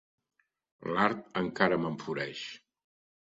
L'art encara m'enfureix.